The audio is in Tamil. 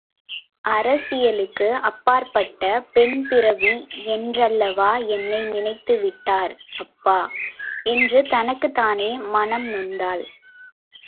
அரசியலுக்கு அப்பாற்பட்ட பெண் பிறவி என்றல்லவா என்னை நினைத்து விட்டார் அப்பா! என்று தனக்குத்தானே மனம் நொந்தாள்.